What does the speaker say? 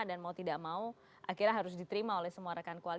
dan mau tidak mau akhirnya harus diterima oleh semua rakyat